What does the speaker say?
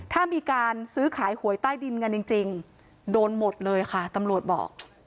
ถ้ามีการซื้อขายหวยใต้ดินกันจริงโดนหมดเลยค่ะตำรวจบอก